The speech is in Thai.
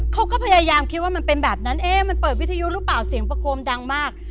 เขาก็พยายามคิดว่ามันเป็นแบบนั้นเอ๊ะมันเปิดวิทยุหรือเปล่าเสียงประโคมดังมาก